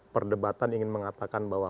perdebatan ingin mengatakan bahwa